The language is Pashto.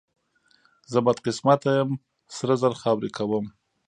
زه بدقسمته یم، سره زر خاورې کوم.